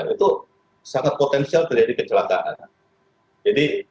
itu sangat potensial terjadi kecelakaan